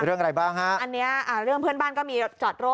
เรื่องอะไรบ้างฮะอันเนี้ยอ่าเรื่องเพื่อนบ้านก็มีจอดโร่